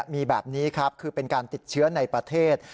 มีแบบนี้ครับคือเป็นการติดเชื้อในประเทศ